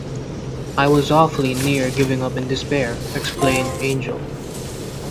“I was awfully near giving up in despair,” explained Angel.